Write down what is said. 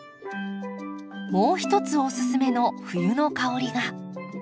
もう一つおすすめの冬の香りが。